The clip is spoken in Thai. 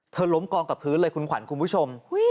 ล้มกองกับพื้นเลยคุณขวัญคุณผู้ชม